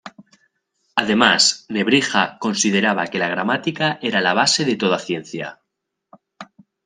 Además, Nebrija consideraba que la gramática era la base de toda ciencia.